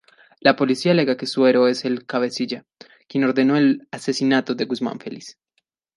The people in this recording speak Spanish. La policía alega que Suero es el cabecilla, quien ordenó el asesinato de Guzmán-Feliz.